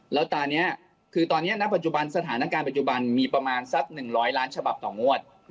แล้วตอนนี้คือตอนนี้ณปัจจุบันสถานการณ์ปัจจุบันมีประมาณสัก๑๐๐ล้านฉบับต่องวด